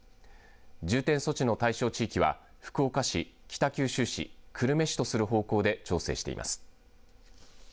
重点措置の対象地域は福岡市、北九州市久留米市とする方向で調整しています。